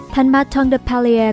thành maton de pallier